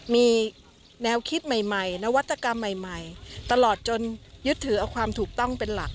มีแนวคิดใหม่นวัตกรรมใหม่ตลอดจนยึดถือเอาความถูกต้องเป็นหลัก